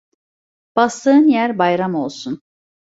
Bastığın yer bayram olsun.